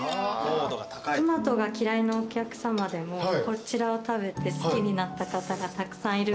トマトが嫌いなお客さまでもこちらを食べて好きになった方がたくさんいる。